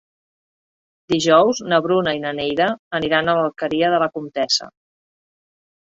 Dijous na Bruna i na Neida aniran a l'Alqueria de la Comtessa.